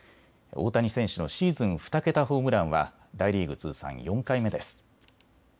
大谷選手のシーズン２桁ホームランは大リーグ通算４回目です。